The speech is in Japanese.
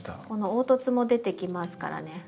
この凹凸も出てきますからね。